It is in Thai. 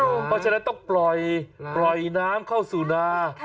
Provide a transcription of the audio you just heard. เพราะฉะนั้นต้องปล่อยน้ำเข้าสู่นา